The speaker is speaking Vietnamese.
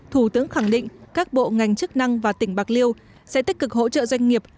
thủ tướng khẳng định các bộ ngành chức năng và tỉnh bạc liêu sẽ tích cực hỗ trợ doanh nghiệp